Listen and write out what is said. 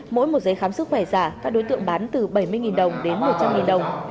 mỗi một giấy khám sức khỏe giả các đối tượng bán từ bảy mươi đồng đến một trăm linh đồng